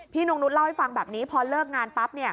นงนุษย์เล่าให้ฟังแบบนี้พอเลิกงานปั๊บ